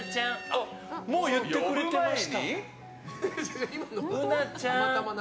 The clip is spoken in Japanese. あ、もう言ってくれました。